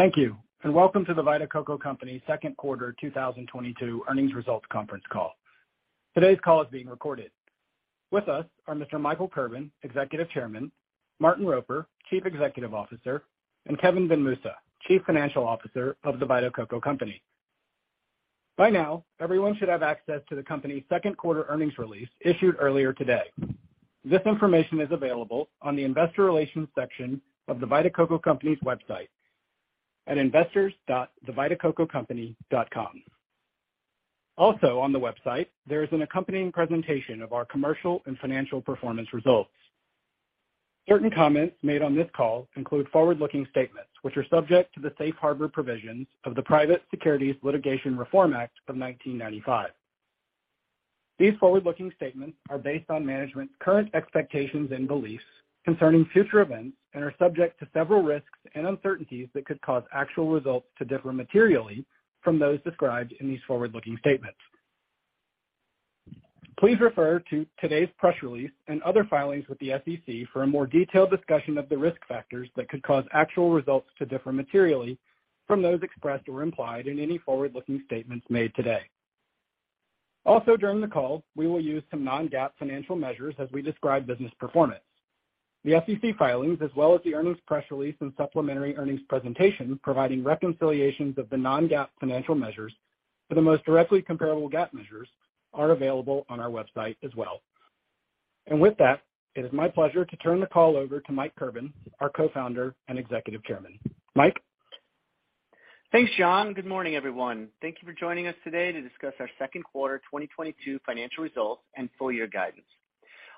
Thank you and welcome to The Vita Coco Company Second Quarter 2022 Earnings Results Conference Call. Today's call is being recorded. With us are Mr. Michael Kirban, Executive Chairman, Martin Roper, Chief Executive Officer, and Kevin Benmoussa, Chief Financial Officer of The Vita Coco Company. By now, everyone should have access to the company's second quarter earnings release issued earlier today. This information is available on the investor relations section of The Vita Coco Company's website at investors.thevitacococompany.com. Also on the website, there is an accompanying presentation of our commercial and financial performance results. Certain comments made on this call include forward-looking statements, which are subject to the safe harbor provisions of the Private Securities Litigation Reform Act of 1995. These forward-looking statements are based on management's current expectations and beliefs concerning future events and are subject to several risks and uncertainties that could cause actual results to differ materially from those described in these forward-looking statements. Please refer to today's press release and other filings with the SEC for a more detailed discussion of the risk factors that could cause actual results to differ materially from those expressed or implied in any forward-looking statements made today. Also, during the call, we will use some non-GAAP financial measures as we describe business performance. The SEC filings as well as the earnings press release and supplementary earnings presentation providing reconciliations of the non-GAAP financial measures for the most directly comparable GAAP measures are available on our website as well. With that, it is my pleasure to turn the call over to Mike Kirban, our Co-founder and Executive Chairman. Mike? Thanks, John. Good morning, everyone. Thank you for joining us today to discuss our second quarter 2022 financial results and full year guidance.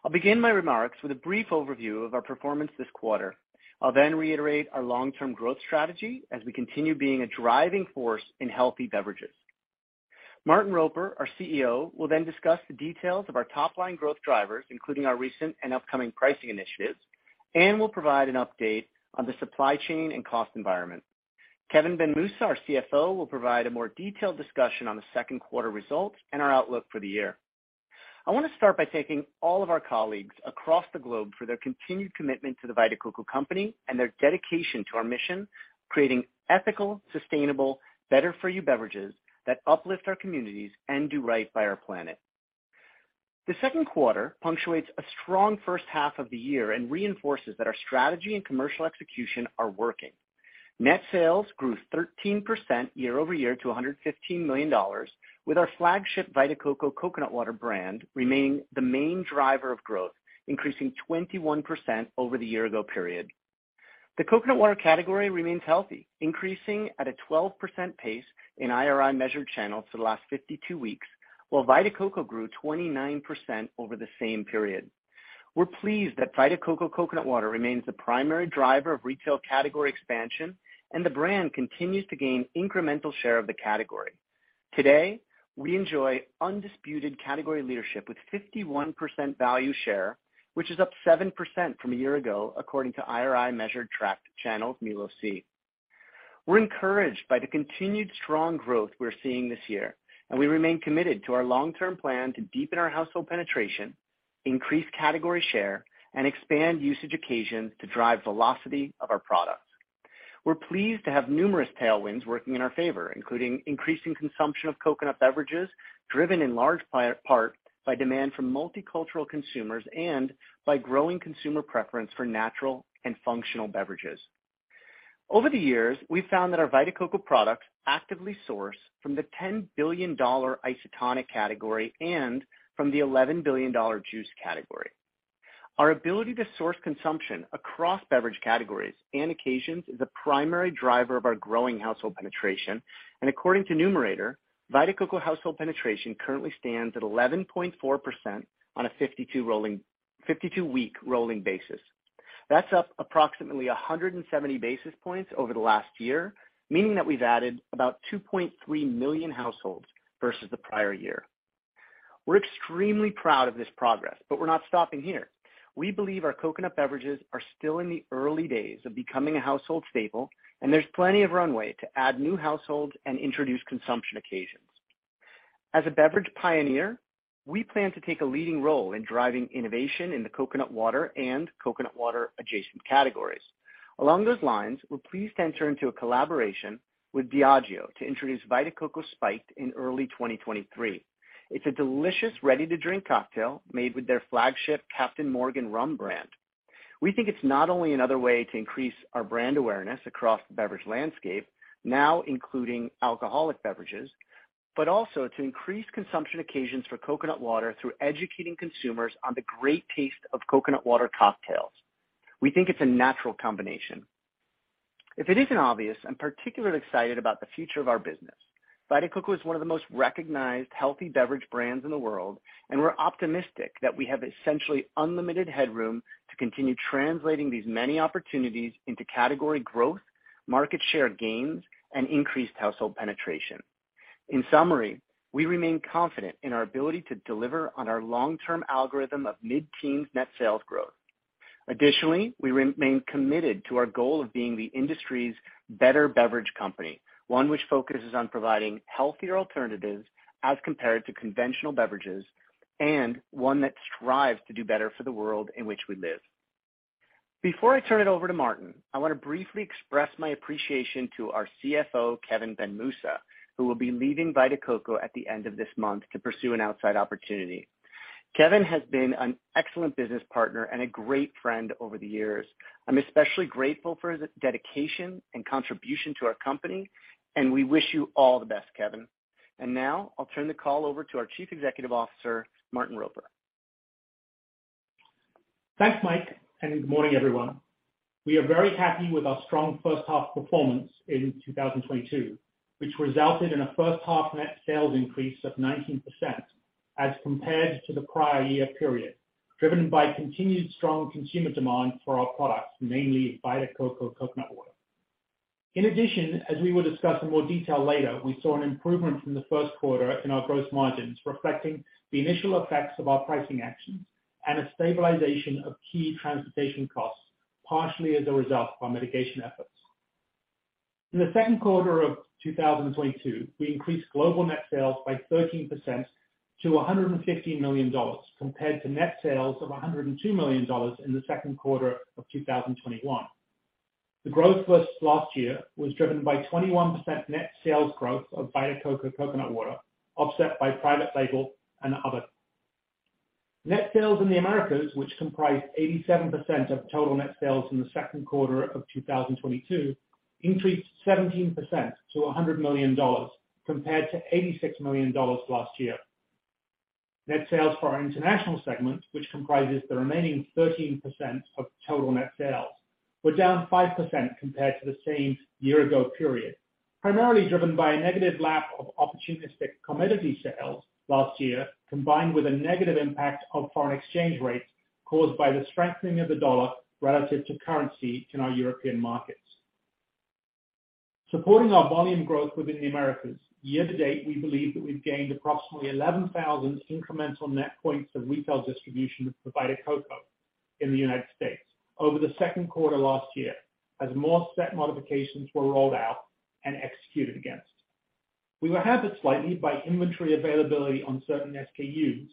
I'll begin my remarks with a brief overview of our performance this quarter. I'll then reiterate our long-term growth strategy as we continue being a driving force in healthy beverages. Martin Roper, our CEO, will then discuss the details of our top-line growth drivers, including our recent and upcoming pricing initiatives, and will provide an update on the supply chain and cost environment. Kevin Benmoussa, our CFO, will provide a more detailed discussion on the second quarter results and our outlook for the year. I want to start by thanking all of our colleagues across the globe for their continued commitment to The Vita Coco Company and their dedication to our mission, creating ethical, sustainable, better-for-you beverages that uplift our communities and do right by our planet. The second quarter punctuates a strong first half of the year and reinforces that our strategy and commercial execution are working. Net sales grew 13% year-over-year to $115 million, with our flagship Vita Coco coconut water brand remaining the main driver of growth, increasing 21% over the year-ago period. The coconut water category remains healthy, increasing at a 12% pace in IRI measured channels for the last 52 weeks, while Vita Coco grew 29% over the same period. We're pleased that Vita Coco Coconut Water remains the primary driver of retail category expansion, and the brand continues to gain incremental share of the category. Today, we enjoy undisputed category leadership with 51% value share, which is up 7% from a year ago, according to IRI measured tracked channels MULO-C. We're encouraged by the continued strong growth we're seeing this year, and we remain committed to our long-term plan to deepen our household penetration, increase category share, and expand usage occasions to drive velocity of our products. We're pleased to have numerous tailwinds working in our favor, including increasing consumption of coconut beverages, driven in large part by demand from multicultural consumers and by growing consumer preference for natural and functional beverages. Over the years, we've found that our Vita Coco products actively source from the $10 billion isotonic category and from the $11 billion juice category. Our ability to source consumption across beverage categories and occasions is a primary driver of our growing household penetration. According to Numerator, Vita Coco household penetration currently stands at 11.4% on a 52-week rolling basis. That's up approximately 170 basis points over the last year, meaning that we've added about 2.3 million households versus the prior year. We're extremely proud of this progress, but we're not stopping here. We believe our coconut beverages are still in the early days of becoming a household staple, and there's plenty of runway to add new households and introduce consumption occasions. As a beverage pioneer, we plan to take a leading role in driving innovation in the coconut water and coconut water adjacent categories. Along those lines, we're pleased to enter into a collaboration with Diageo to introduce Vita Coco Spiked in early 2023. It's a delicious ready-to-drink cocktail made with their flagship Captain Morgan rum brand. We think it's not only another way to increase our brand awareness across the beverage landscape, now including alcoholic beverages, but also to increase consumption occasions for coconut water through educating consumers on the great taste of coconut water cocktails. We think it's a natural combination. If it isn't obvious, I'm particularly excited about the future of our business. Vita Coco is one of the most recognized healthy beverage brands in the world, and we're optimistic that we have essentially unlimited headroom to continue translating these many opportunities into category growth, market share gains, and increased household penetration. In summary, we remain confident in our ability to deliver on our long-term algorithm of mid-teens net sales growth. Additionally, we remain committed to our goal of being the industry's better beverage company, one which focuses on providing healthier alternatives as compared to conventional beverages. One that strives to do better for the world in which we live. Before I turn it over to Martin, I wanna briefly express my appreciation to our CFO, Kevin Benmoussa, who will be leaving Vita Coco at the end of this month to pursue an outside opportunity. Kevin has been an excellent business partner and a great friend over the years. I'm especially grateful for his dedication and contribution to our company, and we wish you all the best, Kevin. Now I'll turn the call over to our Chief Executive Officer, Martin Roper. Thanks, Mike, and good morning, everyone. We are very happy with our strong first half performance in 2022, which resulted in a first half net sales increase of 19% as compared to the prior year period, driven by continued strong consumer demand for our products, mainly Vita Coco coconut water. In addition, as we will discuss in more detail later, we saw an improvement from the first quarter in our gross margins, reflecting the initial effects of our pricing actions and a stabilization of key transportation costs, partially as a result of our mitigation efforts. In the second quarter of 2022, we increased global net sales by 13%-$150 million compared to net sales of $102 million in the second quarter of 2021. The growth versus last year was driven by 21% net sales growth of Vita Coco Coconut Water, offset by private label and other. Net sales in the Americas, which comprise 87% of total net sales in the second quarter of 2022, increased 17%-$100 million compared to $86 million last year. Net sales for our international segment, which comprises the remaining 13% of total net sales, were down 5% compared to the same year ago period, primarily driven by a negative lap of opportunistic commodity sales last year, combined with a negative impact of foreign exchange rates caused by the strengthening of the dollar relative to currency in our European markets. Supporting our volume growth within the Americas, year to date, we believe that we've gained approximately 11,000 incremental net points of retail distribution of Vita Coco in the United States over the second quarter last year as more set modifications were rolled out and executed against. We were hampered slightly by inventory availability on certain SKUs,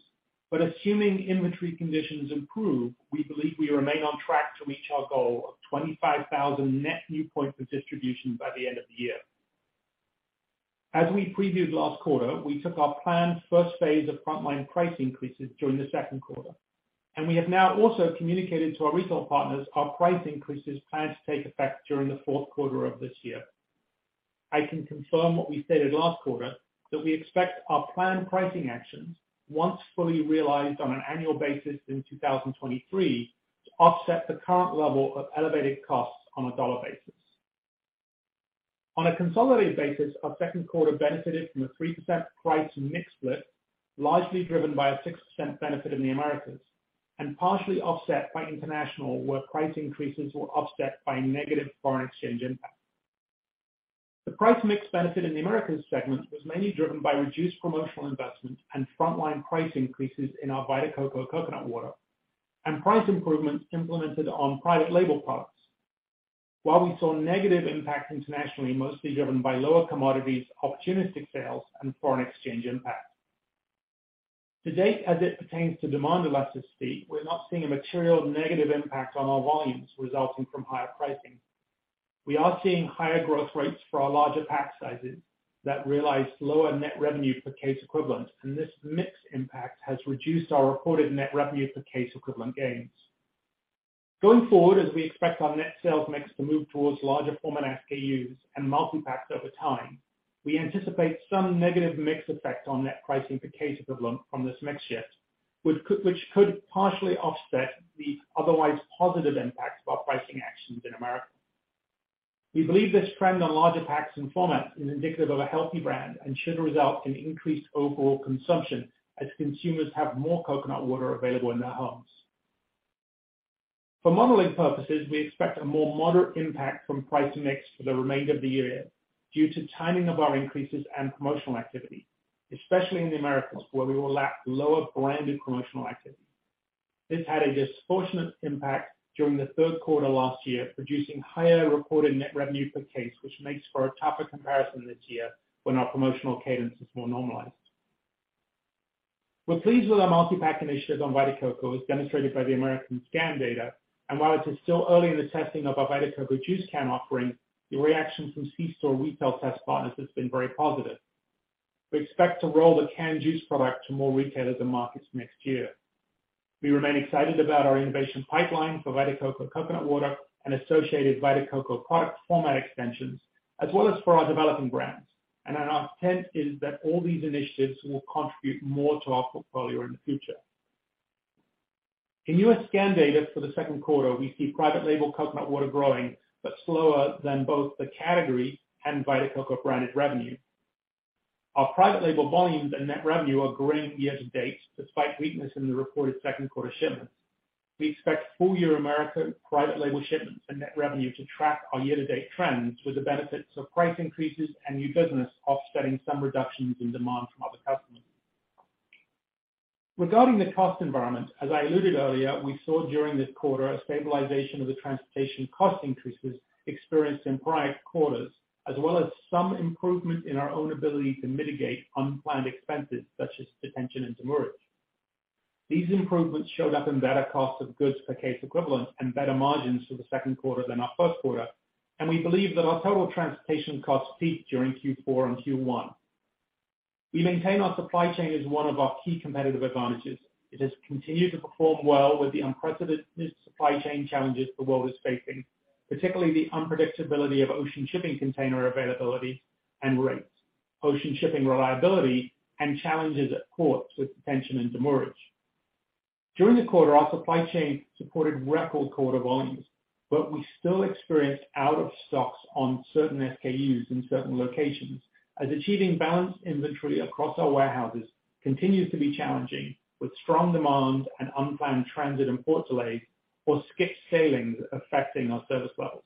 but assuming inventory conditions improve, we believe we remain on track to reach our goal of 25,000 net new points of distribution by the end of the year. As we previewed last quarter, we took our planned first phase of frontline price increases during the second quarter, and we have now also communicated to our retail partners our price increases planned to take effect during the fourth quarter of this year. I can confirm what we stated last quarter, that we expect our planned pricing actions, once fully realized on an annual basis in 2023, to offset the current level of elevated costs on a dollar basis. On a consolidated basis, our second quarter benefited from a 3% price mix split, largely driven by a 6% benefit in the Americas and partially offset by international, where price increases were offset by negative foreign exchange impact. The price mix benefit in the Americas segment was mainly driven by reduced promotional investment and frontline price increases in our Vita Coco Coconut Water and price improvements implemented on private label products. While we saw negative impacts internationally, mostly driven by lower commodities, opportunistic sales, and foreign exchange impact. To date, as it pertains to demand elasticity, we're not seeing a material negative impact on our volumes resulting from higher pricing. We are seeing higher growth rates for our larger pack sizes that realize lower net revenue per case equivalent, and this mix impact has reduced our reported net revenue per case equivalent gains. Going forward, as we expect our net sales mix to move towards larger format SKUs and multi-packs over time, we anticipate some negative mix effect on net pricing per case equivalent from this mix shift, which could partially offset the otherwise positive impacts of our pricing actions in America. We believe this trend on larger packs and formats is indicative of a healthy brand and should result in increased overall consumption as consumers have more coconut water available in their homes. For modeling purposes, we expect a more moderate impact from price mix for the remainder of the year due to timing of our increases and promotional activity, especially in the Americas, where we will lap lower branded promotional activity. This had a disproportionate impact during the third quarter last year, producing higher reported net revenue per case, which makes for a tougher comparison this year when our promotional cadence is more normalized. We're pleased with our multi-pack initiatives on Vita Coco, as demonstrated by the American scan data. While it is still early in the testing of our Vita Coco juice can offering, the reaction from C store retail test partners has been very positive. We expect to roll the canned juice product to more retailers and markets next year. We remain excited about our innovation pipeline for Vita Coco coconut water and associated Vita Coco product format extensions, as well as for our developing brands. Our intent is that all these initiatives will contribute more to our portfolio in the future. In U.S. scan data for the second quarter, we see private label coconut water growing, but slower than both the category and Vita Coco branded revenue. Our private label volumes and net revenue are growing year-to-date, despite weakness in the reported second-quarter shipments. We expect full-year America private label shipments and net revenue to track our year-to-date trends with the benefits of price increases and new business offsetting some reductions in demand from other customers. Regarding the cost environment, as I alluded earlier, we saw during this quarter a stabilization of the transportation cost increases experienced in prior quarters, as well as some improvement in our own ability to mitigate unplanned expenses such as detention and demurrage. These improvements showed up in better cost of goods per case equivalent and better margins for the second quarter than our first quarter. We believe that our total transportation costs peaked during Q4 and Q1. We maintain our supply chain as one of our key competitive advantages. It has continued to perform well with the unprecedented supply chain challenges the world is facing, particularly the unpredictability of ocean shipping container availability and rates, ocean shipping reliability and challenges at ports with detention and demurrage. During the quarter, our supply chain supported record quarter volumes, but we still experienced out of stocks on certain SKUs in certain locations as achieving balanced inventory across our warehouses continues to be challenging, with strong demand and unplanned transit and port delays or skipped sailings affecting our service levels.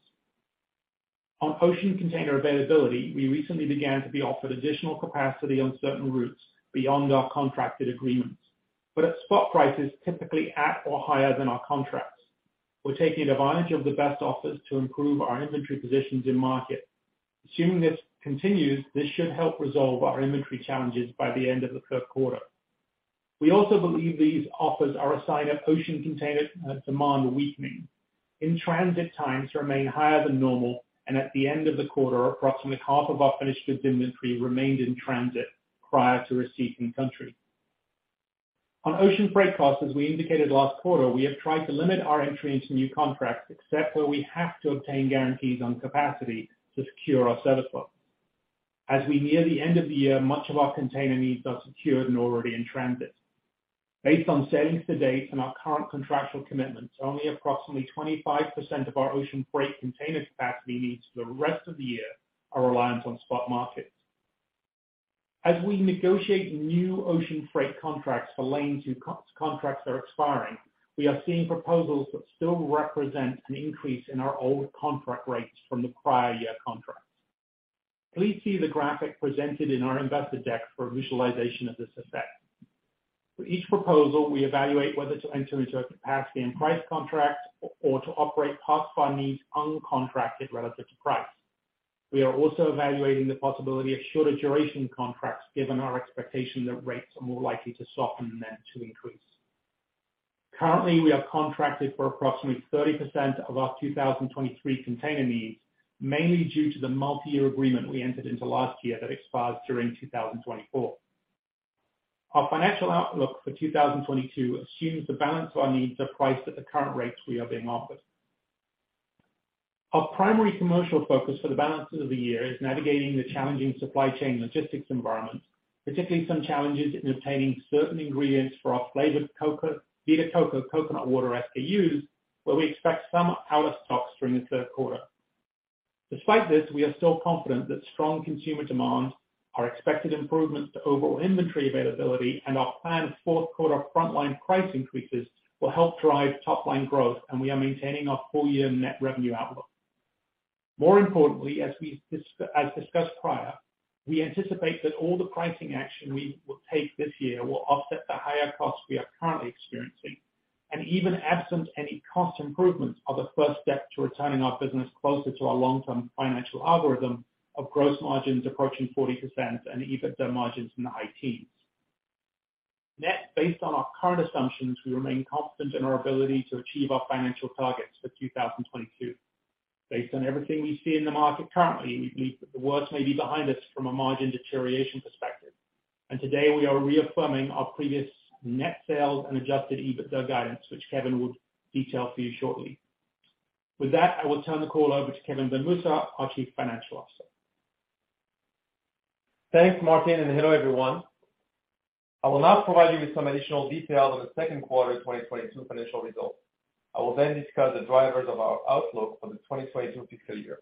On ocean container availability, we recently began to be offered additional capacity on certain routes beyond our contracted agreements, but at spot prices typically at or higher than our contracts. We're taking advantage of the best offers to improve our inventory positions in market. Assuming this continues, this should help resolve our inventory challenges by the end of the third quarter. We also believe these offers are a sign of ocean container demand weakening. In-transit times remain higher than normal, and at the end of the quarter, approximately half of our finished goods inventory remained in transit prior to receipt in country. On ocean freight costs, as we indicated last quarter, we have tried to limit our entry into new contracts, except where we have to obtain guarantees on capacity to secure our service levels. As we near the end of the year, much of our container needs are secured and already in transit. Based on shipments to date and our current contractual commitments, only approximately 25% of our ocean freight container capacity needs for the rest of the year are reliant on spot markets. As we negotiate new ocean freight contracts for lanes whose contracts are expiring, we are seeing proposals that still represent an increase in our old contract rates from the prior year contracts. Please see the graphic presented in our investor deck for a visualization of this effect. For each proposal, we evaluate whether to enter into a capacity and price contract or to operate past our needs uncontracted relative to price. We are also evaluating the possibility of shorter duration contracts, given our expectation that rates are more likely to soften than to increase. Currently, we are contracted for approximately 30% of our 2023 container needs, mainly due to the multi-year agreement we entered into last year that expires during 2024. Our financial outlook for 2022 assumes the balance of our needs are priced at the current rates we are being offered. Our primary commercial focus for the balance of the year is navigating the challenging supply chain logistics environment, particularly some challenges in obtaining certain ingredients for our flavored Vita Coco Coconut Water SKUs, where we expect some out of stocks during the third quarter. Despite this, we are still confident that strong consumer demand, our expected improvements to overall inventory availability, and our planned fourth quarter frontline price increases will help drive top line growth, and we are maintaining our full year net revenue outlook. More importantly, as discussed prior, we anticipate that all the pricing action we will take this year will offset the higher costs we are currently experiencing. Even absent any cost improvements are the first step to returning our business closer to our long-term financial algorithm of gross margins approaching 40% and EBITDA margins in the high teens. Net, based on our current assumptions, we remain confident in our ability to achieve our financial targets for 2022. Based on everything we see in the market currently, the worst may be behind us from a margin deterioration perspective. Today, we are reaffirming our previous net sales and Adjusted EBITDA guidance, which Kevin will detail for you shortly. With that, I will turn the call over to Kevin Benmoussa, our Chief Financial Officer. Thanks, Martin, and hello, everyone. I will now provide you with some additional details on the second quarter 2022 financial results. I will then discuss the drivers of our outlook for the 2022 fiscal year.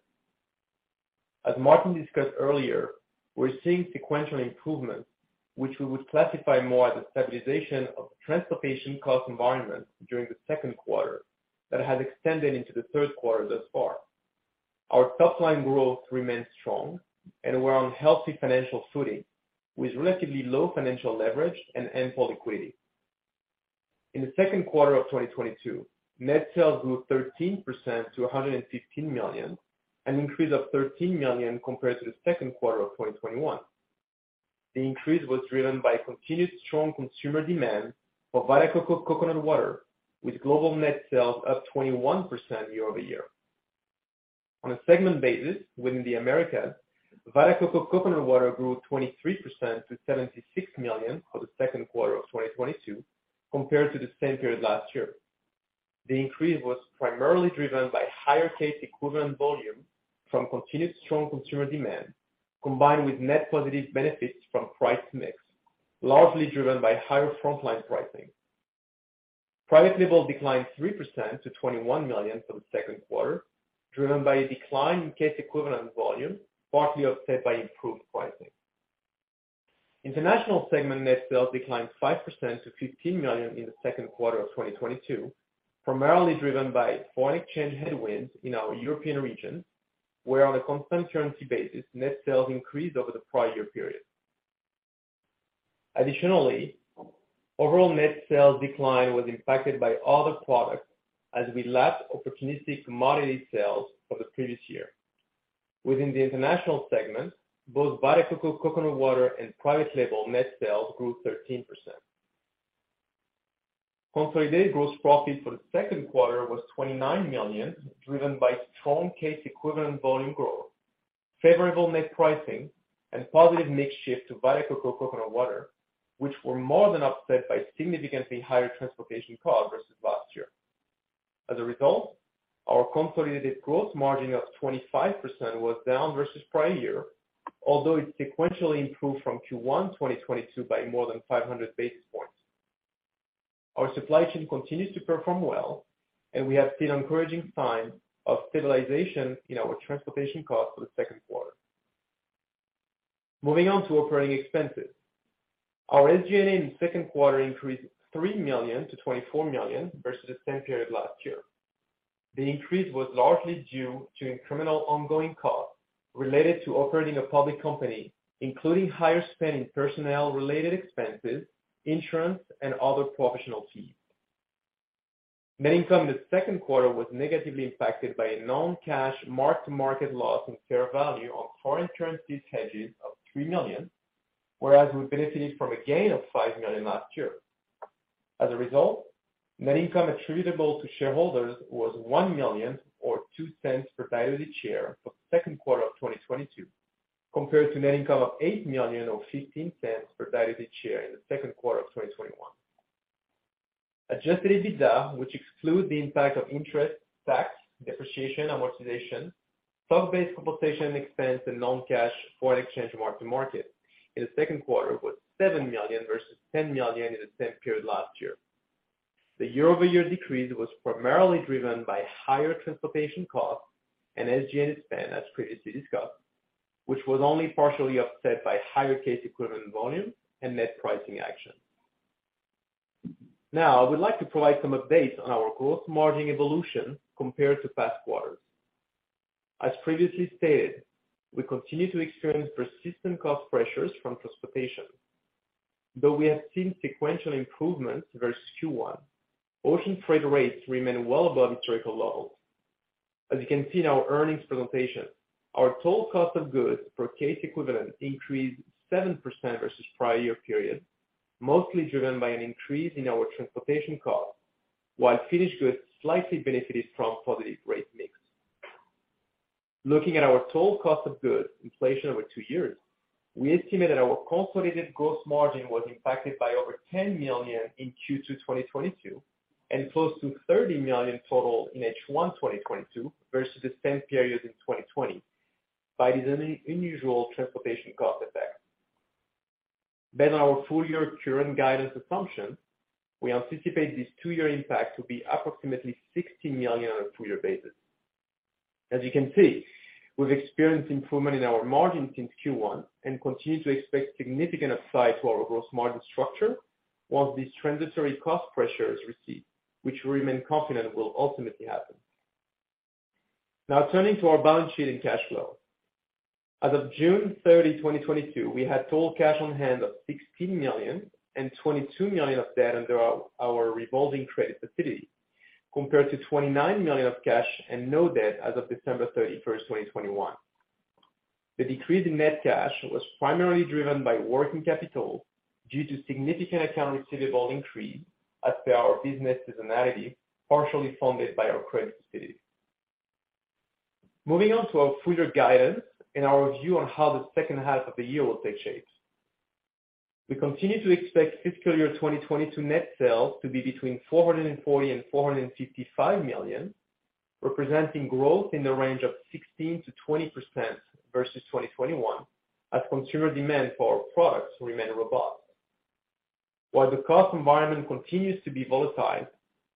As Martin discussed earlier, we're seeing sequential improvements which we would classify more as a stabilization of transportation cost environment during the second quarter that has extended into the third quarter thus far. Our top line growth remains strong and we're on healthy financial footing with relatively low financial leverage and ample liquidity. In the second quarter of 2022, net sales grew 13% to $115 million, an increase of $13 million compared to the second quarter of 2021. The increase was driven by continued strong consumer demand for Vita Coco coconut water, with global net sales up 21% year-over-year. On a segment basis within the Americas, Vita Coco Coconut Water grew 23%-$76 million for the second quarter of 2022 compared to the same period last year. The increase was primarily driven by higher case equivalent volume from continued strong consumer demand, combined with net positive benefits from price mix, largely driven by higher frontline pricing. Private label declined 3%-$21 million for the second quarter, driven by a decline in case equivalent volume, partly offset by improved pricing. International segment net sales declined 5%-$15 million in the second quarter of 2022, primarily driven by foreign exchange headwinds in our European region, where on a constant currency basis, net sales increased over the prior year period. Additionally, overall net sales decline was impacted by other products as we lapped opportunistic commodity sales for the previous year. Within the international segment, both Vita Coco Coconut Water and private label net sales grew 13%. Consolidated gross profit for the second quarter was $29 million, driven by strong case equivalent volume growth, favorable net pricing, and positive mix shift to Vita Coco Coconut Water, which were more than offset by significantly higher transportation costs versus last year. As a result, our consolidated gross margin of 25% was down versus prior year, although it sequentially improved from Q1, 2022 by more than 500 basis points. Our supply chain continues to perform well, and we have seen encouraging signs of stabilization in our transportation costs for the second quarter. Moving on to operating expenses. Our SG&A in the second quarter increased $3 million to $24 million versus the same period last year. The increase was largely due to incremental ongoing costs related to operating a public company, including higher spending on personnel-related expenses, insurance, and other professional fees. Net income in the second quarter was negatively impacted by a non-cash mark-to-market loss in fair value on foreign currency hedges of $3 million, whereas we benefited from a gain of $5 million last year. As a result, net income attributable to shareholders was $1 million or $0.02 per diluted share for the second quarter of 2022, compared to net income of $8 million or $0.15 per diluted share in the second quarter of 2021. Adjusted EBITDA, which excludes the impact of interest, tax, depreciation, amortization, stock-based compensation expense, and non-cash foreign exchange mark-to-market in the second quarter was $7 million versus $10 million in the same period last year. The year-over-year decrease was primarily driven by higher transportation costs and SG&A spend, as previously discussed, which was only partially offset by higher case equivalent volume and net pricing action. Now, I would like to provide some updates on our gross margin evolution compared to past quarters. As previously stated, we continue to experience persistent cost pressures from transportation. Though we have seen sequential improvements versus Q1, ocean freight rates remain well above historical levels. As you can see in our earnings presentation, our total cost of goods for case equivalent increased 7% versus prior year period, mostly driven by an increase in our transportation costs, while finished goods slightly benefited from positive rate mix. Looking at our total cost of goods inflation over two years, we estimate that our consolidated gross margin was impacted by over $10 million in Q2 2022, and close to $30 million total in H1 2022 versus the same period in 2020 by these unusual transportation cost effects. Based on our full year current guidance assumptions, we anticipate this two-year impact to be approximately $60 million on a full year basis. As you can see, we've experienced improvement in our margins since Q1 and continue to expect significant upside to our gross margin structure once these transitory cost pressures recede, which we remain confident will ultimately happen. Now turning to our balance sheet and cash flow. As of June 30, 2022, we had total cash on hand of $16 million and $22 million of debt under our revolving credit facility, compared to $29 million of cash and no debt as of December 31, 2021. The decrease in net cash was primarily driven by working capital due to significant accounts receivable increase as per our business seasonality, partially funded by our credit facility. Moving on to our full year guidance and our view on how the second half of the year will take shape. We continue to expect fiscal year 2022 net sales to be between $440 million and $455 million, representing growth in the range of 16%-20% versus 2021 as consumer demand for our products remain robust. While the cost environment continues to be volatile,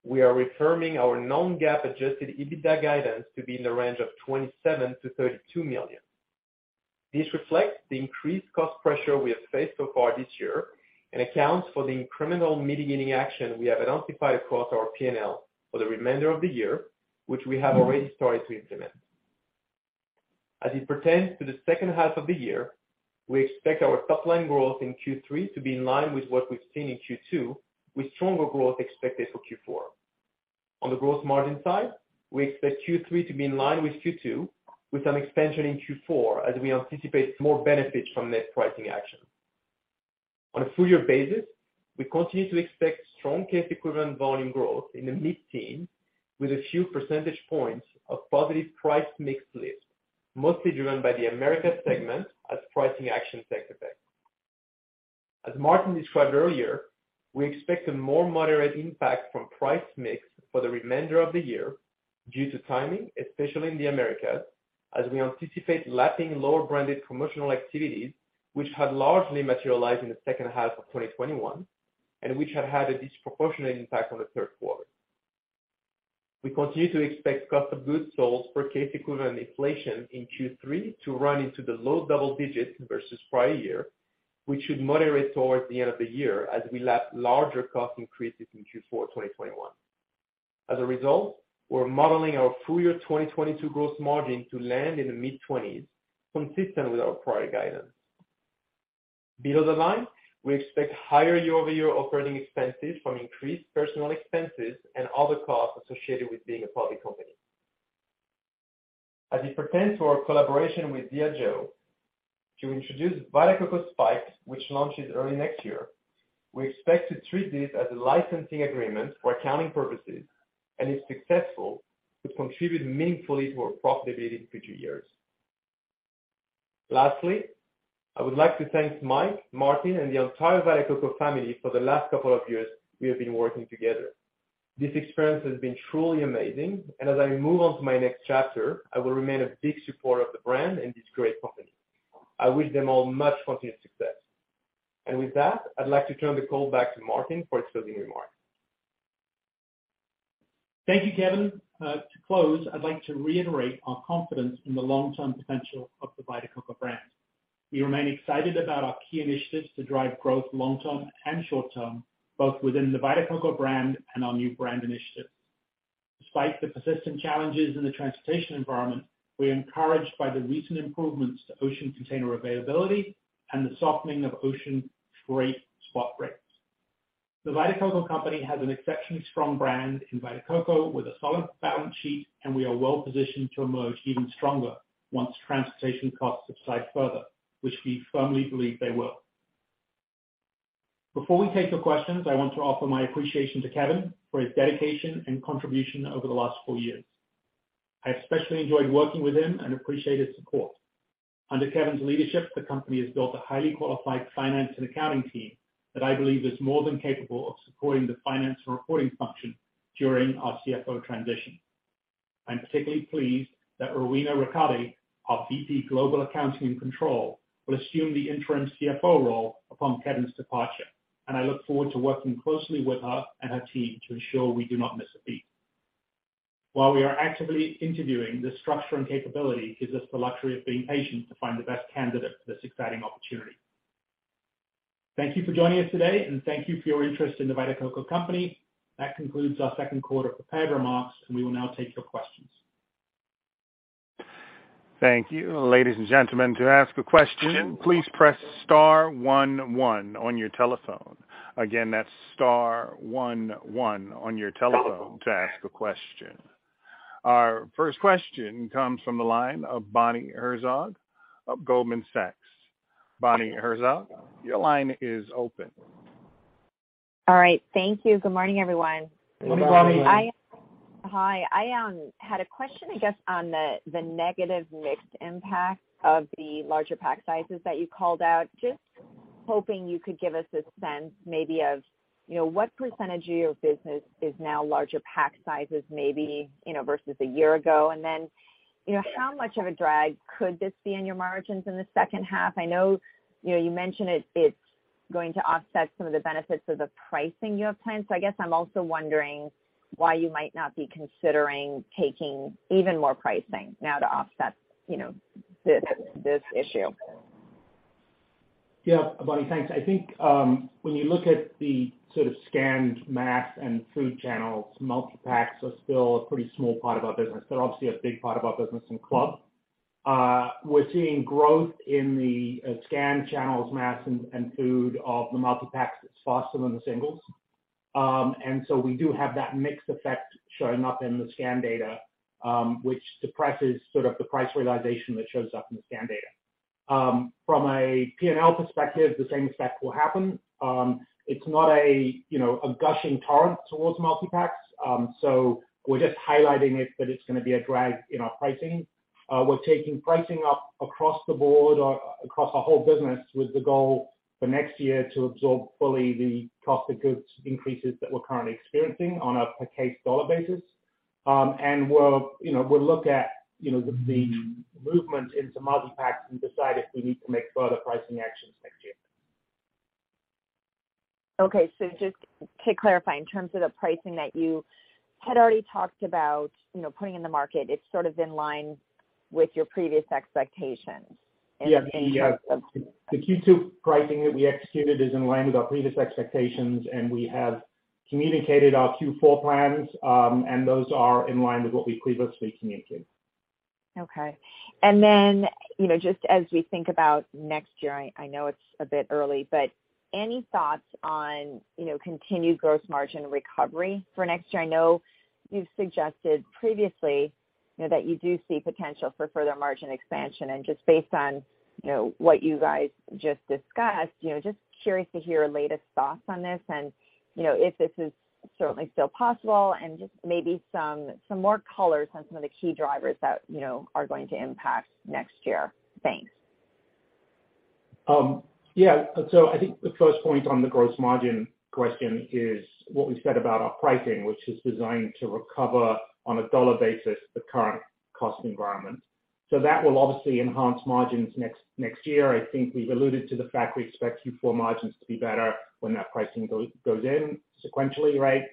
we are reaffirming our non-GAAP Adjusted EBITDA guidance to be in the range of $27 million-$32 million. This reflects the increased cost pressure we have faced so far this year and accounts for the incremental mitigating action we have identified across our P&L for the remainder of the year, which we have already started to implement. As it pertains to the second half of the year, we expect our top line growth in Q3 to be in line with what we've seen in Q2, with stronger growth expected for Q4. On the gross margin side, we expect Q3 to be in line with Q2, with some expansion in Q4 as we anticipate more benefits from net pricing action. On a full year basis, we continue to expect strong case equivalent volume growth in the mid-teen with a few percentage points of positive price mix lift, mostly driven by the Americas segment as pricing action takes effect. As Martin described earlier, we expect a more moderate impact from price mix for the remainder of the year due to timing, especially in the Americas, as we anticipate lapping lower branded promotional activities which had largely materialized in the second half of 2021 and which have had a disproportionate impact on the third quarter. We continue to expect cost of goods sold per case equivalent inflation in Q3 to run into the low double digits versus prior year, which should moderate towards the end of the year as we lap larger cost increases in Q4, 2021. As a result, we're modeling our full year 2022 gross margin to land in the mid-twenties, consistent with our prior guidance. Below the line, we expect higher year-over-year operating expenses from increased personal expenses and other costs associated with being a public company. As it pertains to our collaboration with Diageo to introduce Vita Coco Spiked, which launches early next year, we expect to treat this as a licensing agreement for accounting purposes, and if successful, to contribute meaningfully to our profit in future years. Lastly, I would like to thank Mike, Martin, and the entire Vita Coco family for the last couple of years we have been working together. This experience has been truly amazing, and as I move on to my next chapter, I will remain a big supporter of the brand and this great company. I wish them all much continued success. With that, I'd like to turn the call back to Martin for his closing remarks. Thank you, Kevin. To close, I'd like to reiterate our confidence in the long-term potential of the Vita Coco brand. We remain excited about our key initiatives to drive growth long-term and short-term, both within the Vita Coco brand and our new brand initiatives. Despite the persistent challenges in the transportation environment, we are encouraged by the recent improvements to ocean container availability and the softening of ocean freight spot rates. The Vita Coco Company has an exceptionally strong brand in Vita Coco with a solid balance sheet, and we are well positioned to emerge even stronger once transportation costs subside further, which we firmly believe they will. Before we take your questions, I want to offer my appreciation to Kevin for his dedication and contribution over the last four years. I especially enjoyed working with him and appreciate his support. Under Kevin's leadership, the company has built a highly qualified finance and accounting team that I believe is more than capable of supporting the finance and reporting function during our CFO transition. I'm particularly pleased that Rowena Ricalde, our VP, Global Accounting and Control, will assume the interim CFO role upon Kevin's departure, and I look forward to working closely with her and her team to ensure we do not miss a beat. While we are actively interviewing, this structure and capability gives us the luxury of being patient to find the best candidate for this exciting opportunity. Thank you for joining us today, and thank you for your interest in The Vita Coco Company. That concludes our second quarter prepared remarks, and we will now take your questions. Thank you. Ladies and gentlemen, to ask a question, please press star one one on your telephone. Again, that's star one one on your telephone to ask a question. Our first question comes from the line of Bonnie Herzog of Goldman Sachs. Bonnie Herzog, your line is open. All right. Thank you. Good morning, everyone. Good morning. Hi. I had a question, I guess, on the negative mix impact of the larger pack sizes that you called out. Just hoping you could give us a sense maybe of, you know, what percentage of your business is now larger pack sizes, maybe, you know, versus a year ago. You know, how much of a drag could this be in your margins in the second half? I know, you know, you mentioned it's going to offset some of the benefits of the pricing you have planned. I guess I'm also wondering why you might not be considering taking even more pricing now to offset, you know, this issue. Yeah, Bonnie, thanks. I think, when you look at the sort of scanned mass and food channels, multipacks are still a pretty small part of our business. They're obviously a big part of our business in club. We're seeing growth in the scanned channels, mass and food of the multipacks that's faster than the singles. We do have that mixed effect showing up in the scanned data, which depresses sort of the price realization that shows up in the scanned data. From a P&L perspective, the same effect will happen. It's not a, you know, a gushing torrent towards multipacks. We're just highlighting it, but it's gonna be a drag in our pricing. We're taking pricing up across the board or across our whole business with the goal for next year to absorb fully the cost of goods increases that we're currently experiencing on a per case dollar basis. We'll, you know, look at, you know, the movement into multipacks and decide if we need to make further pricing actions next year. Okay. Just to clarify, in terms of the pricing that you had already talked about, you know, putting in the market, it's sort of in line with your previous expectations. Yeah. The Q2 pricing that we executed is in line with our previous expectations, and we have communicated our Q4 plans, and those are in line with what we previously communicated. Okay. You know, just as we think about next year, I know it's a bit early, but any thoughts on, you know, continued gross margin recovery for next year? I know you've suggested previously, you know, that you do see potential for further margin expansion. Just based on, you know, what you guys just discussed, you know, just curious to hear your latest thoughts on this and, you know, if this is certainly still possible and just maybe some more colors on some of the key drivers that, you know, are going to impact next year. Thanks. Yeah. I think the first point on the gross margin question is what we said about our pricing, which is designed to recover on a dollar basis the current cost environment. That will obviously enhance margins next year. I think we've alluded to the fact we expect Q4 margins to be better when that pricing goes in sequentially, right?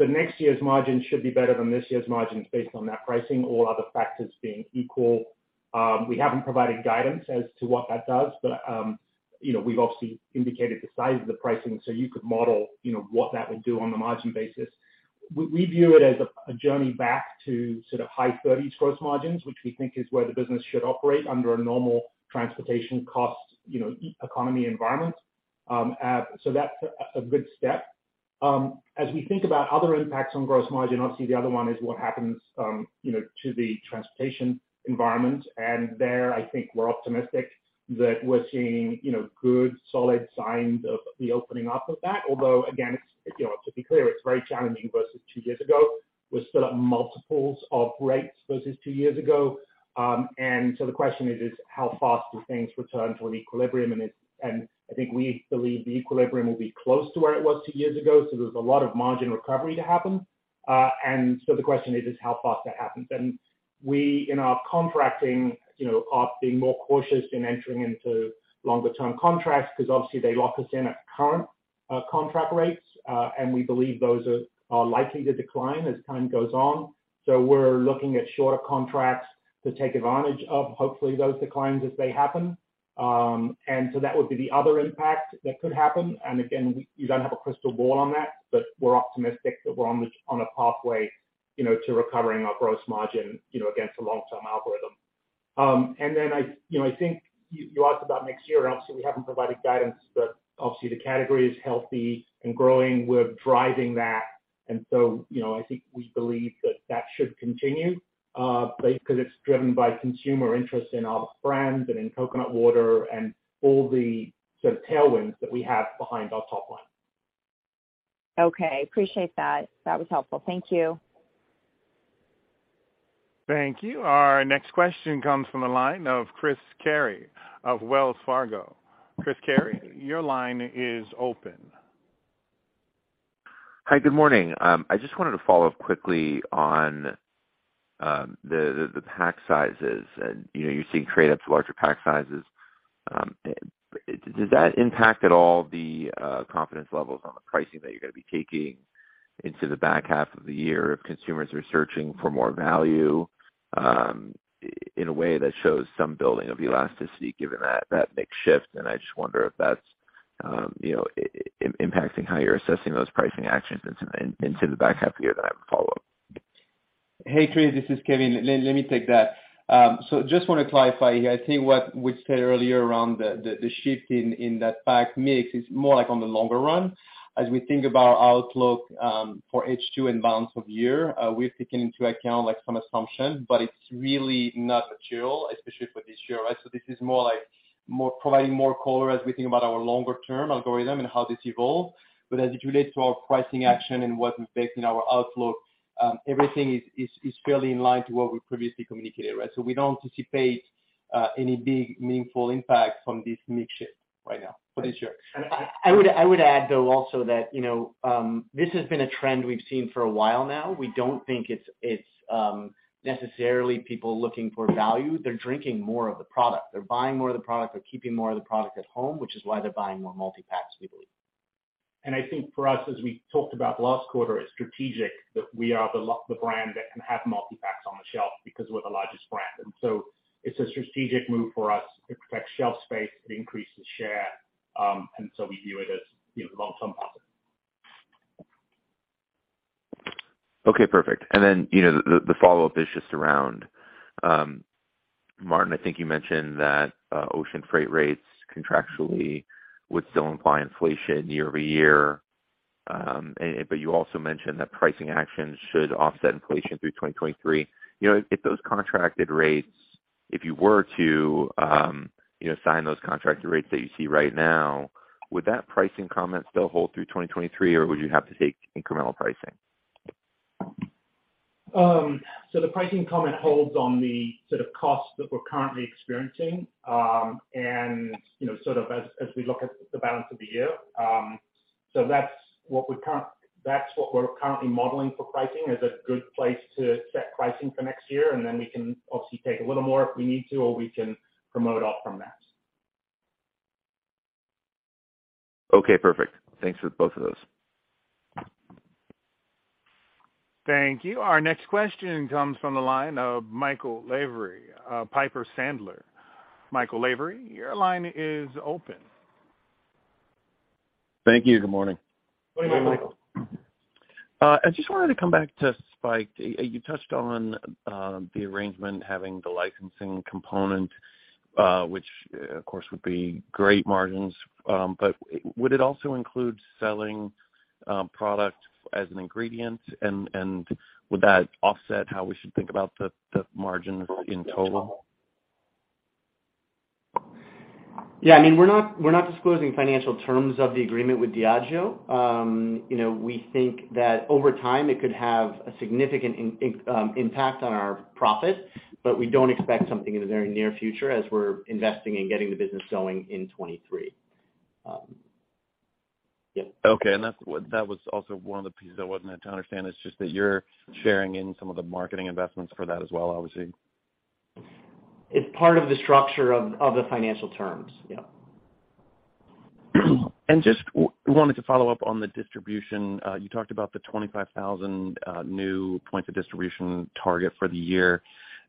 Next year's margins should be better than this year's margins based on that pricing, all other factors being equal. We haven't provided guidance as to what that does, but, you know, we've obviously indicated the size of the pricing, so you could model, you know, what that would do on a margin basis. We view it as a journey back to sort of high 30s% gross margins, which we think is where the business should operate under a normal transportation cost, you know, economy environment. That's a good step. As we think about other impacts on gross margin, obviously the other one is what happens, you know, to the transportation environment. There, I think we're optimistic that we're seeing, you know, good solid signs of the opening up of that. Although again, it's, you know, to be clear, it's very challenging versus two years ago. We're still at multiples of rates versus two years ago. The question is how fast do things return to an equilibrium? I think we believe the equilibrium will be close to where it was two years ago, so there's a lot of margin recovery to happen. The question is how fast that happens. We, in our contracting, you know, are being more cautious in entering into longer term contracts because obviously they lock us in at current contract rates, and we believe those are likely to decline as time goes on. We're looking at shorter contracts to take advantage of, hopefully, those declines as they happen. That would be the other impact that could happen. Again, we don't have a crystal ball on that, but we're optimistic that we're on a pathway, you know, to recovering our gross margin, you know, against a long-term algorithm. You know, I think you asked about next year, and obviously we haven't provided guidance, but obviously the category is healthy and growing. We're driving that. You know, I think we believe that should continue, because it's driven by consumer interest in our brand and in coconut water and all the sort of tailwinds that we have behind our top line. Okay. Appreciate that. That was helpful. Thank you. Thank you. Our next question comes from the line of Chris Carey of Wells Fargo. Chris Carey, your line is open. Hi, good morning. I just wanted to follow up quickly on the pack sizes and, you know, you're seeing trade ups of larger pack sizes. Does that impact at all the confidence levels on the pricing that you're gonna be taking into the back half of the year if consumers are searching for more value in a way that shows some building of elasticity given that mix shift? I just wonder if that's, you know, impacting how you're assessing those pricing actions into the back half of the year that I would follow up. Hey, Chris, this is Kevin. Let me take that. Just want to clarify here. I think what we said earlier around the shift in that pack mix is more like on the longer run. As we think about our outlook for H2 and balance of year, we've taken into account like some assumptions, but it's really not material, especially for this year, right? This is more like providing more color as we think about our longer term algorithm and how this evolves. As it relates to our pricing action and what we take in our outlook, everything is fairly in line to what we previously communicated, right? We don't anticipate any big meaningful impact from this mix shift right now for this year. I would add though also that, you know, this has been a trend we've seen for a while now. We don't think it's necessarily people looking for value. They're drinking more of the product. They're buying more of the product. They're keeping more of the product at home, which is why they're buying more multi-packs, we believe. I think for us, as we talked about last quarter, it's strategic that we are the brand that can have multi-packs on the shelf because we're the largest brand. It's a strategic move for us. It protects shelf space, it increases share, and so we view it as, you know, a long-term positive. Okay, perfect. You know, the follow-up is just around Martin. I think you mentioned that ocean freight rates contractually would still imply inflation year-over-year. You also mentioned that pricing actions should offset inflation through 2023. You know, if those contracted rates, if you were to sign those contracted rates that you see right now, would that pricing comment still hold through 2023, or would you have to take incremental pricing? The pricing comment holds on the sort of costs that we're currently experiencing, and, you know, sort of as we look at the balance of the year. That's what we're currently modeling for pricing is a good place to set pricing for next year. Then we can obviously take a little more if we need to or we can promote off from that. Okay, perfect. Thanks for both of those. Thank you. Our next question comes from the line of Michael Lavery of Piper Sandler. Michael Lavery, your line is open. Thank you. Good morning. Good morning, Michael. I just wanted to come back to Spiked. You touched on the arrangement having the licensing component, which of course would be great margins, but would it also include selling product as an ingredient and would that offset how we should think about the margins in total? Yeah. I mean, we're not disclosing financial terms of the agreement with Diageo. You know, we think that over time it could have a significant impact on our profit, but we don't expect something in the very near future as we're investing in getting the business going in 2023. Okay. That was also one of the pieces I wanted to understand. It's just that you're sharing in some of the marketing investments for that as well, obviously. It's part of the structure of the financial terms. Yeah. Just wanted to follow up on the distribution. You talked about the 25,000 new points of distribution target for the year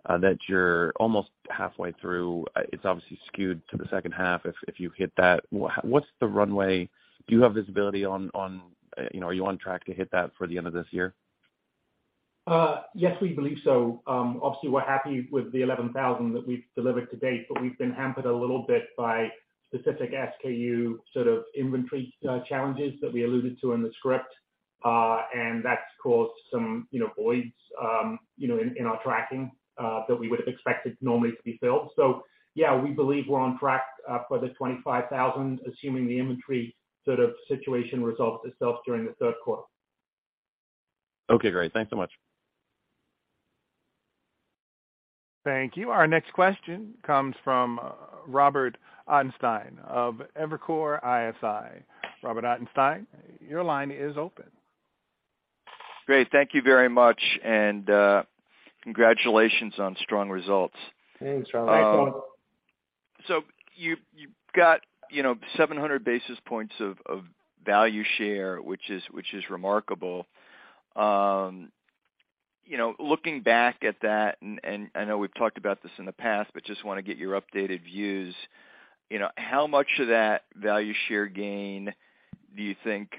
that you're almost halfway through. It's obviously skewed to the second half if you hit that. What's the runway? Do you have visibility on, you know, are you on track to hit that for the end of this year? Yes, we believe so. Obviously we're happy with the 11,000 that we've delivered to date, but we've been hampered a little bit by specific SKU sort of inventory challenges that we alluded to in the script. That's caused some, you know, voids, you know, in our tracking that we would have expected normally to be filled. Yeah, we believe we're on track for the 25,000, assuming the inventory sort of situation resolves itself during the third quarter. Okay, great. Thanks so much. Thank you. Our next question comes from Robert Ottenstein of Evercore ISI. Robert Ottenstein, your line is open. Great. Thank you very much, and congratulations on strong results. Thanks, Robert. Thanks, Robert. You've got, you know, 700 basis points of value share, which is remarkable. You know, looking back at that, I know we've talked about this in the past, but just wanna get your updated views. You know, how much of that value share gain do you think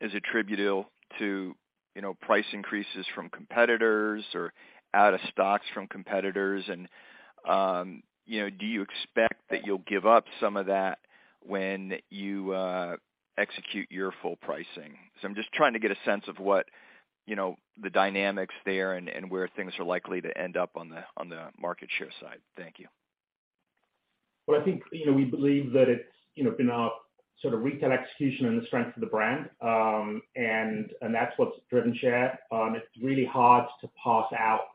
is attributable to, you know, price increases from competitors or out of stocks from competitors? You know, do you expect that you'll give up some of that when you execute your full pricing? I'm just trying to get a sense of what, you know, the dynamics there and where things are likely to end up on the market share side. Thank you. Well, I think, you know, we believe that it's, you know, been our sort of retail execution and the strength of the brand. And that's what's driven share. It's really hard to parse out,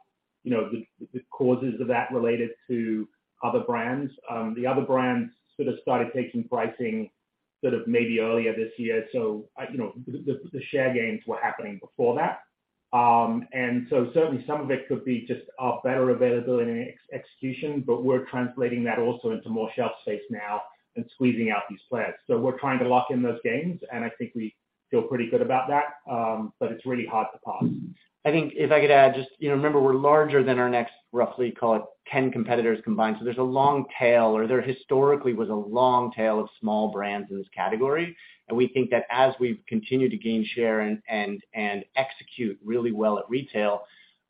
you know, the causes of that related to other brands. The other brands sort of started taking pricing sort of maybe earlier this year. You know, the share gains were happening before that. Certainly some of it could be just our better availability and execution, but we're translating that also into more shelf space now and squeezing out these players. We're trying to lock in those gains, and I think we feel pretty good about that. It's really hard to parse. I think if I could add just, you know, remember we're larger than our next, roughly call it 10 competitors combined. There's a long tail or there historically was a long tail of small brands in this category. We think that as we've continued to gain share and execute really well at retail,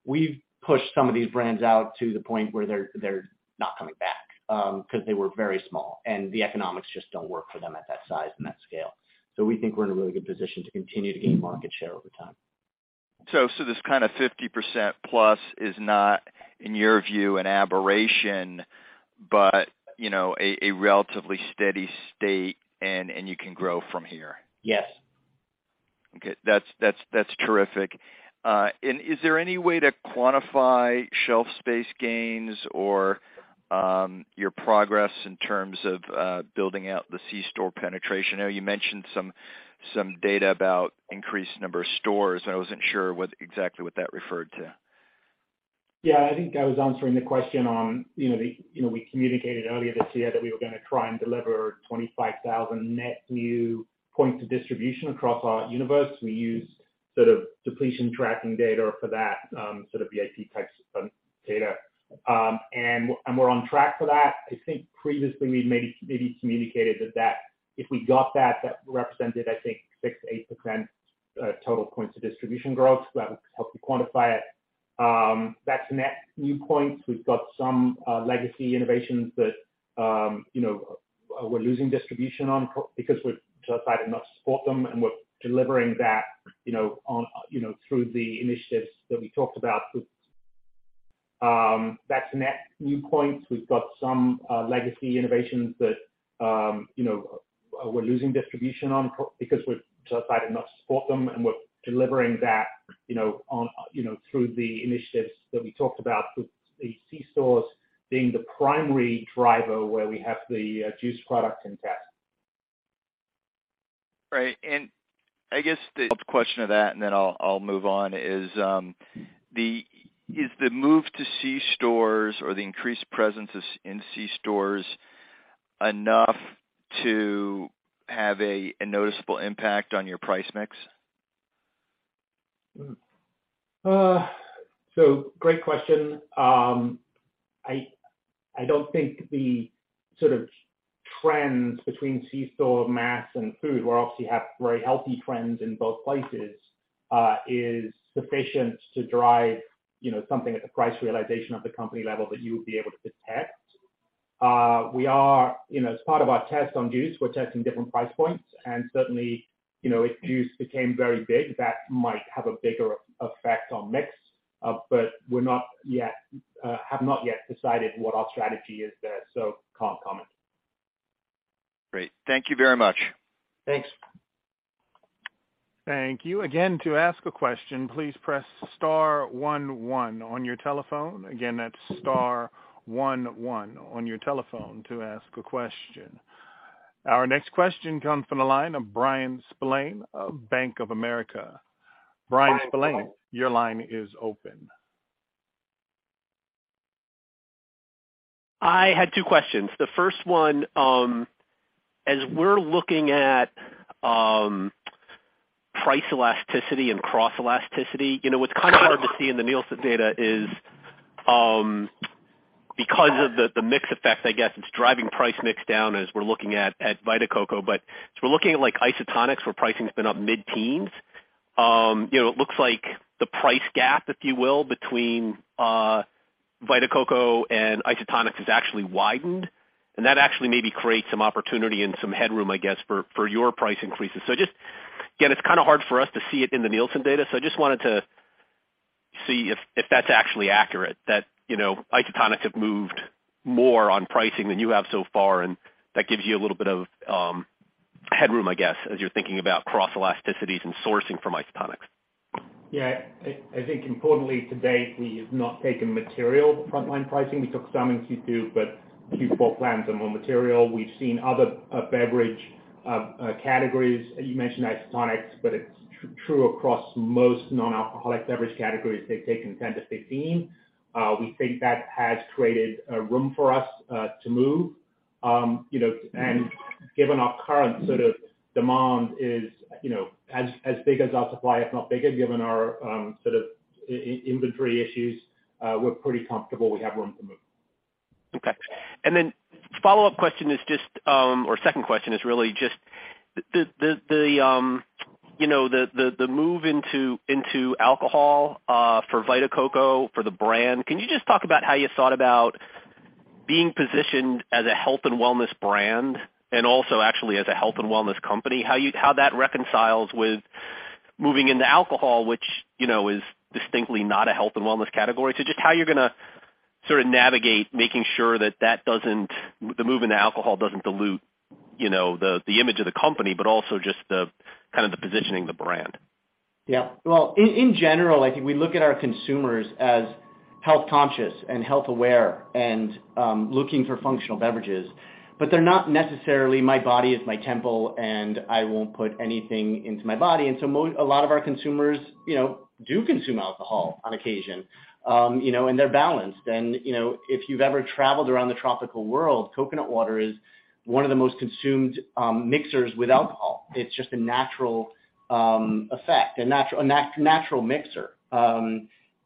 we've pushed some of these brands out to the point where they're not coming back, because they were very small and the economics just don't work for them at that size and that scale. We think we're in a really good position to continue to gain market share over time. this kind of 50% plus is not, in your view, an aberration, but you know, a relatively steady state and you can grow from here? Yes. Okay. That's terrific. Is there any way to quantify shelf space gains or your progress in terms of building out the C-store penetration? I know you mentioned some data about increased number of stores, and I wasn't sure what exactly that referred to. Yeah, I think I was answering the question on, you know, the. You know, we communicated earlier this year that we were gonna try and deliver 25,000 net new points of distribution across our universe. We used sort of depletion tracking data for that, sort of VIP type data. And we're on track for that. I think previously we maybe communicated that if we got that represented I think 6%-8% total points of distribution growth. That would help you quantify it. That's net new points. We've got some legacy innovations that, you know, we're losing distribution on because we've decided not to support them, and we're delivering that, you know, on, you know, through the initiatives that we talked about with, that's net new points. We've got some legacy innovations that, you know, we're losing distribution on because we've decided not to support them, and we're delivering that, you know, on, you know, through the initiatives that we talked about with the C-stores being the primary driver where we have the juice product in test. Right. I guess the question of that, and then I'll move on, is the move to C stores or the increased presence in C stores enough to have a noticeable impact on your price mix? Great question. I don't think the sort of trends between C-store, mass, and food, where obviously you have very healthy trends in both places, is sufficient to drive, you know, something at the price realization of the company level that you would be able to detect. We are, you know, as part of our test on juice, we're testing different price points and certainly, you know, if juice became very big, that might have a bigger effect on mix. Have not yet decided what our strategy is there, so can't comment. Great. Thank you very much. Thanks. Thank you. Again, to ask a question, please press star one one on your telephone. Again, that's star one one on your telephone to ask a question. Our next question comes from the line of Bryan Spillane of Bank of America. Bryan Spillane, your line is open. I had two questions. The first one, as we're looking at price elasticity and cross elasticity, you know, what's kind of hard to see in the Nielsen data is because of the mix effect, I guess it's driving price mix down as we're looking at Vita Coco. But as we're looking at like isotonics where pricing's been up mid-teens, you know, it looks like the price gap, if you will, between Vita Coco and isotonics has actually widened and that actually maybe creates some opportunity and some headroom, I guess, for your price increases. Just, again, it's kind of hard for us to see it in the Nielsen data. I just wanted to see if that's actually accurate, that you know, isotonics have moved more on pricing than you have so far, and that gives you a little bit of headroom, I guess, as you're thinking about cross elasticities and sourcing from isotonics. Yeah. I think importantly to date, we have not taken material frontline pricing. We took some in Q2, but Q4 plans are more material. We've seen other beverage categories, you mentioned isotonics, but it's true across most non-alcoholic beverage categories. They've taken 10%-15%. We think that has created room for us to move. You know, given our current sort of demand is, you know, as big as our supply, if not bigger, given our sort of inventory issues, we're pretty comfortable we have room to move. Okay. Follow-up question is just, or second question is really just the, you know, the move into alcohol for Vita Coco, for the brand. Can you just talk about how you thought about being positioned as a health and wellness brand and also actually as a health and wellness company, how that reconciles with moving into alcohol, which, you know, is distinctly not a health and wellness category. Just how you're gonna sort of navigate making sure that the move into alcohol doesn't dilute, you know, the image of the company, but also just the kind of positioning of the brand. Yeah. Well, in general, I think we look at our consumers as health-conscious and health-aware and looking for functional beverages. But they're not necessarily, "My body is my temple, and I won't put anything into my body." A lot of our consumers, you know, do consume alcohol on occasion. You know, and they're balanced. You know, if you've ever traveled around the tropical world, coconut water is one of the most consumed mixers with alcohol. It's just a natural effect, a natural mixer.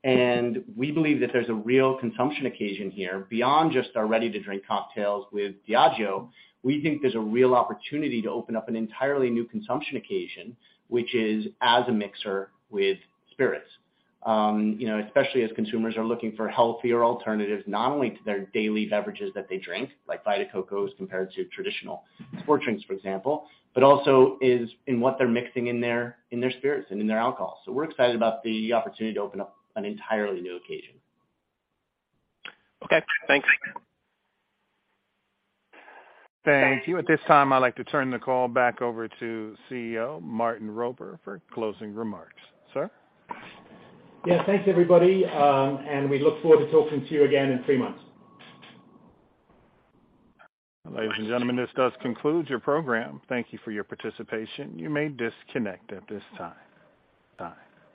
And we believe that there's a real consumption occasion here beyond just our ready-to-drink cocktails with Diageo. We think there's a real opportunity to open up an entirely new consumption occasion, which is as a mixer with spirits. You know, especially as consumers are looking for healthier alternatives, not only to their daily beverages that they drink, like Vita Coco's compared to traditional sports drinks, for example, but also is in what they're mixing in their spirits and in their alcohol. We're excited about the opportunity to open up an entirely new occasion. Okay. Thanks. Thank you. At this time, I'd like to turn the call back over to CEO Martin Roper for closing remarks. Sir? Yeah. Thanks, everybody, and we look forward to talking to you again in three months. Ladies and gentlemen, this does conclude your program. Thank you for your participation. You may disconnect at this time. Time.